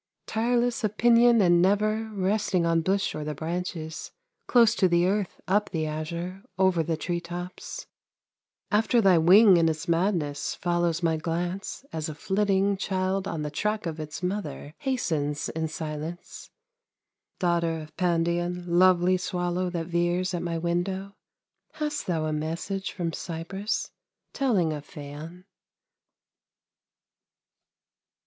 Tireless of pinion and never Resting on bush or the branches, Close to the earth, up the azure, Over the treetops; After thy wing in its madness Follows my glance, as a flitting Child on the track of its mother Hastens in silence. Daughter of Pandion, lovely Swallow that veers at my window, Hast thou a message from Cyprus Telling of Phaon?